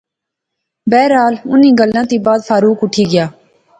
بہرحال انیں گلیں تھی بعد فاروق اُٹھی گا